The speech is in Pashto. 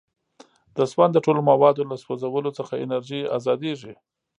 د سون د ټولو موادو له سوځولو څخه انرژي ازادیږي.